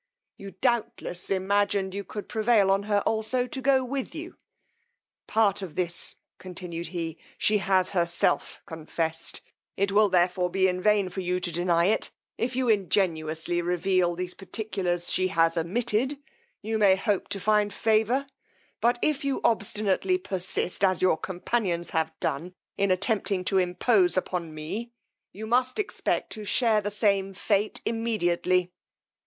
You doubtless imagined you could prevail on her also to go with you: part of this, continued he, she has herself confessed: it will therefore be in vain for you to deny it: if you ingenuously reveal these particulars she has omitted, you may hope to find favour; but it you obstinately persist, as your companions have done, in attempting to impose upon me, you must expect to share the same fate immediately.